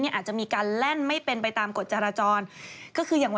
โนเกียเป็นไอโฟน